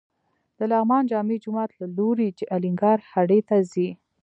د لغمان جامع جومات له لوري چې الینګار هډې ته ځې.